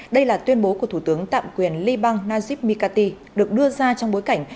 đây là tuyên bố của thủ tướng tạm quyền liban najib mikati được đưa ra trong bối cảnh